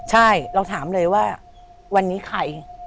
ใช่เราถามเลยว่าวันนี้ใคร